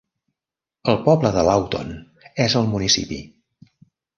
El poble de Lawton és al municipi.